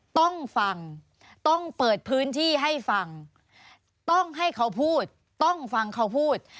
ต้องฟังต้องเปิดพื้นที่ให้ฟังต้องให้เขาพูดต้องฟังเขาพูด